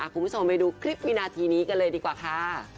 คุณผู้ชมไปดูคลิปวินาทีนี้กันเลยดีกว่าค่ะ